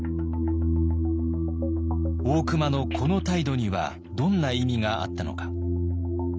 大隈のこの態度にはどんな意味があったのか。